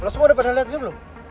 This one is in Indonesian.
wah lo semua udah pernah liat ini belum